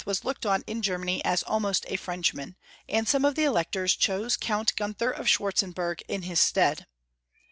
was looked on in Germany as *■^ almost a Frenchman, and some of the Elec tors chose Count Gunther of Schwartzenburg in his stead.